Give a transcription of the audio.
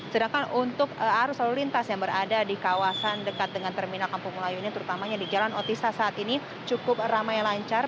sedangkan untuk arus lalu lintas yang berada di kawasan dekat dengan terminal kampung melayu ini terutamanya di jalan otista saat ini cukup ramai lancar